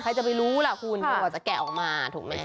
ใครจะไปรู้ล่ะคุณกว่าจะแกะออกมาถูกไหม